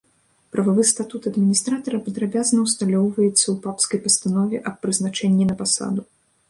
Прававы статут адміністратара падрабязна ўсталёўваецца ў папскай пастанове аб прызначэнні на пасаду.